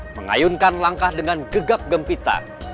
mengayunkan langkah dengan gegap gempitan